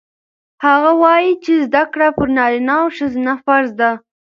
هغه وایي چې زده کړه پر نارینه او ښځینه فرض ده.